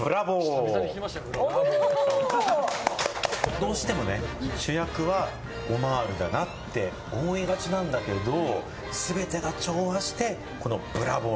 どうしても、主役はオマールだなって思いがちなんだけれども、全てが調和して、このブラボー！！